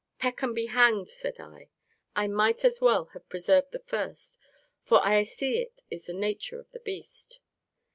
Peck and be hanged, said I, I might as well have preserved the first, for I see it is the nature of the beast.